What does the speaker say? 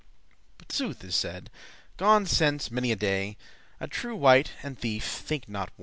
But sooth is said, gone since many a day, A true wight and a thiefe *think not one.